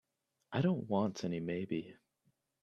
I don't want any maybe.